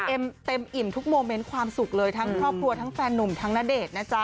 เต็มอิ่มทุกโมเมนต์ความสุขเลยทั้งครอบครัวทั้งแฟนหนุ่มทั้งณเดชน์นะจ๊ะ